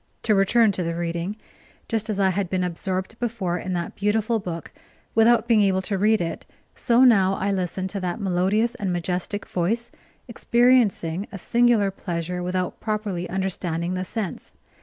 To return to the reading. Just as I had been absorbed before in that beautiful book without being able to read it, so now I listened to that melodious and majestic voice, experiencing a singular pleasure without properly understanding the sense.